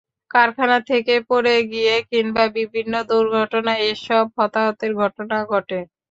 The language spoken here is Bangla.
কারখানা থেকে পড়ে গিয়ে কিংবা বিভিন্ন দুর্ঘটনায় এসব হতাহতের ঘটনা ঘটে।